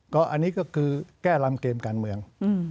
อันนี้ก็คือแก้ลำเกมการเมือง